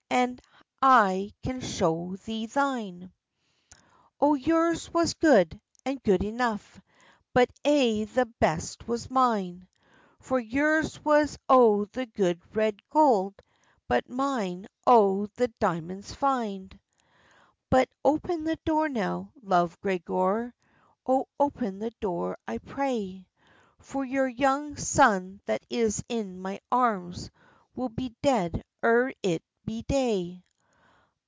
And I can show thee thine. "O yours was good, and good enough, But ay the best was mine; For yours was o' the good red goud, But mine o' the diamonds fine. "But open the door now, Love Gregor, O open the door I pray, For your young son that is in my arms Will be dead ere it be day."